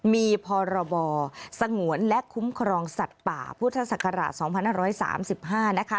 มีพรบสงวนและคุ้มครองสัตว์ป่าพุทธศักราช๒๕๓๕นะคะ